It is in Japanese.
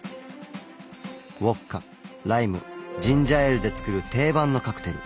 ウォッカライムジンジャーエールで作る定番のカクテル。